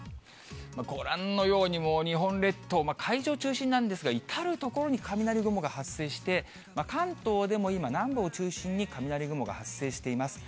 ご覧のようにもう、日本列島、海上を中心なんですが、至る所に雷雲が発生して、関東でも今、南部を中心に雷雲が発生しています。